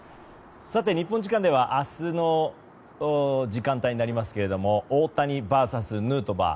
日本時間では明日の時間帯になりますが大谷ＶＳヌートバー。